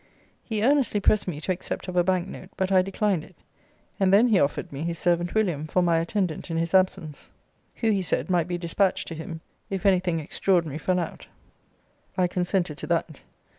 He earnestly pressed me to accept of a bank note: but I declined it. And then he offered me his servant William for my attendant in his absence; who, he said, might be dispatched to him, if any thing extraordinary fell out. I consented to that.